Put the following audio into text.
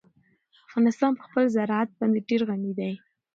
افغانستان په خپل زراعت باندې ډېر غني دی.